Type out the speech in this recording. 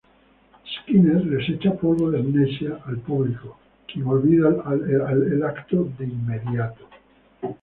Skinner les echa polvos de amnesia al público, quien olvida el acto de inmediato.